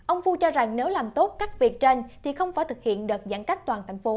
ông phu cho rằng nếu làm tốt các việc trên thì không phải thực hiện đợt giãn cách toàn thành phố